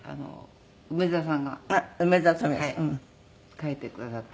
書いてくださって。